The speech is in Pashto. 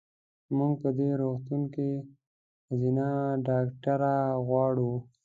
مونږ په دې روغتون کې ښځېنه ډاکټره غواړو.